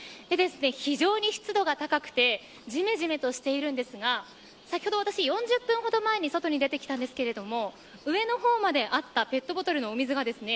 非常に湿度が高くてじめじめとしているんですが先ほど私、４０分ほど前に外に出てきたんですが上の方まであったペットボトルのお水がですね